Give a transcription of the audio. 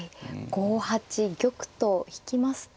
５八玉と引きますと。